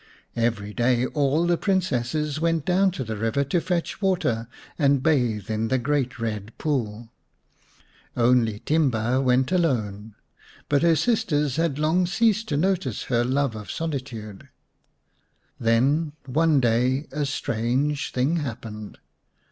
Every day all the Princesses went down to the river to fetch water and bathe in the great Ked Pool. Only Timba still went alone, but her sisters had long ceased to notice her love of solitude. Then one day a strange thing happened.